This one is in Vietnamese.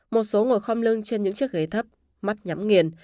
một số ngồi khm lưng trên những chiếc ghế thấp mắt nhắm nghiền